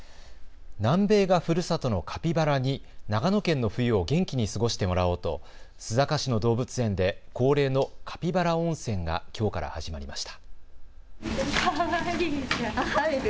南米がふるさとのカピバラに長野県の冬を元気に過ごしてもらおうと須坂市の動物園で恒例のカピバラ温泉がきょうから始まりました。